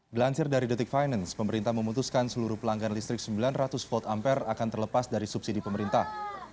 dilansir dari detik finance pemerintah memutuskan seluruh pelanggan listrik sembilan ratus volt ampere akan terlepas dari subsidi pemerintah